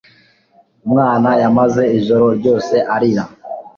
Umwana yamaze ijoro ryose arira.